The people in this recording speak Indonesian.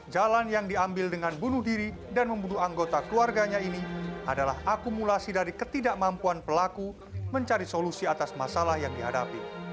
jalan yang diambil dengan bunuh diri dan membunuh anggota keluarganya ini adalah akumulasi dari ketidakmampuan pelaku mencari solusi atas masalah yang dihadapi